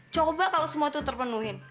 coba kalau semua itu terpenuhi